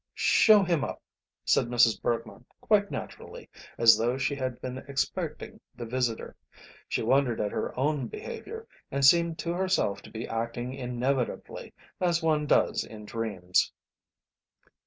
"Show him up," said Mrs. Bergmann, quite naturally, as though she had been expecting the visitor. She wondered at her own behaviour, and seemed to herself to be acting inevitably, as one does in dreams.